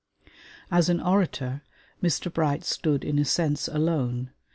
As an orator, Mr. Bright stood in a sense alone.